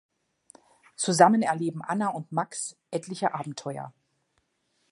Zusammen erleben Anna und Max etliche Abenteuer.